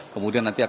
kemudian nanti akan